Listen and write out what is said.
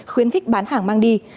khuyến khích bán hàng mang đi